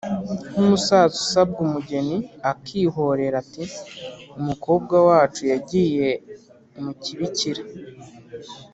nk’umusaza usabwa umugeni akihorera ati: “umukobwa wacu yagiye mu kibikira